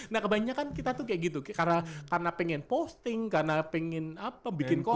nah kebanyakan kita tuh kayak gitu karena pengen posting karena pengen apa bikin konten